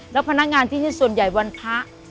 แล้วพนักงานที่นี่ส่วนใหญ่วันพระ